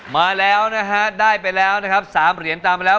มาแล้วนะฮะได้ไปแล้วนะครับ๓เหรียญตามไปแล้ว